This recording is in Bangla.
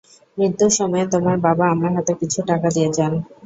মৃত্যুর সময়ে তোমার বাবা আমার হাতে কিছু টাকা দিয়ে যান।